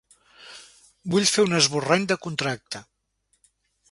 Vull fer un esborrany de contracte.